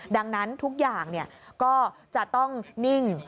ดังนั้นทุกอย่างก็จะต้องนิ่ง